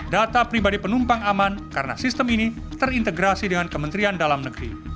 data pribadi penumpang aman karena sistem ini terintegrasi dengan kementerian dalam negeri